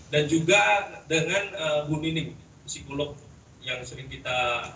dan juga dengan bu nining psikolog yang sering kita